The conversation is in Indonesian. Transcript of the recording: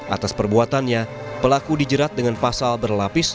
atas perbuatannya pelaku dijerat dengan pasal berlapis